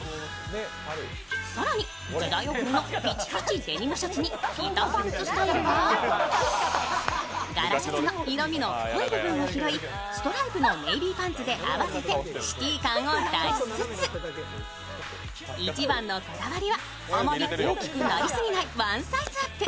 更に、時代遅れのピチピチデニムシャツにピタパンツスタイルは柄シャツの色味の濃い部分を拾いストライプのネービーパンツで合わせてシティ感を出しつつ、一番のこだわりは、あまり大きくなりすぎないワンサイズアップ。